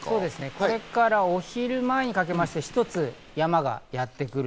これからお昼前にかけて一つ山がやってくる。